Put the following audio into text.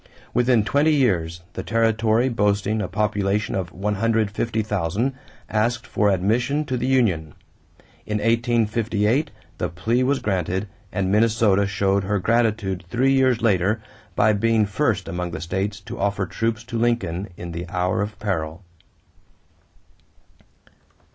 Within twenty years, the territory, boasting a population of 150,000, asked for admission to the union. In 1858 the plea was granted and Minnesota showed her gratitude three years later by being first among the states to offer troops to Lincoln in the hour of peril.